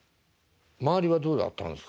周りはどうだったんですか？